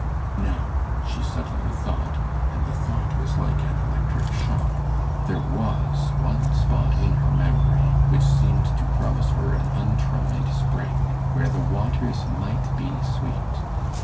No! She suddenly thought and the thought was like an electric shock there was one spot in her memory which seemed to promise her an untried spring, where the waters might be sweet.